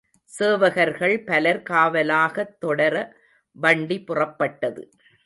சேவகர்கள் பலர் காவலாகத் தொடர வண்டி புறப்பட்டது.